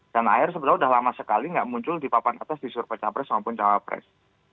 dan ahy sebetulnya udah lama sekali nggak muncul di papan atas di surabaya press maupun jawa press